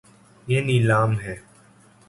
یے نیلا م ہے